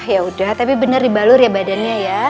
yaudah tapi bener dibalur ya badannya ya